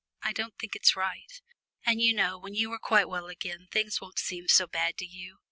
I don't think it's right. And, you know, when you are quite well again things won't seem so bad to you.